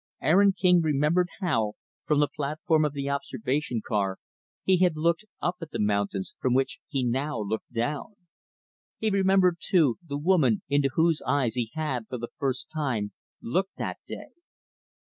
Aaron King remembered how, from the platform of the observation car, he had looked up at the mountains from which he now looked down. He remembered too, the woman into whose eyes he had, for the first time, looked that day.